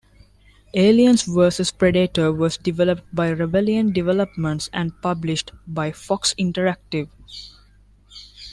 "Aliens versus Predator" was developed by Rebellion Developments and published by Fox Interactive.